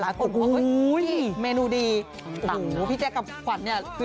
คนบอกว่าเฮ้ยเมนูดีโอ้โหพี่แจ๊คกับขวัญเนี่ย